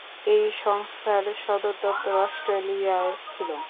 এই সংস্থার সদর দপ্তর অস্ট্রেলিয়ায় ছিল।